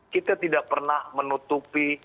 kita tidak pernah menutupi